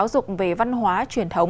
thông qua đó giáo dục về văn hóa truyền thống